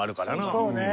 そうね。